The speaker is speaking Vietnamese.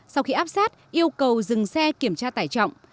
sau khi áp sát yêu cầu dừng xe kiểm tra tải trọng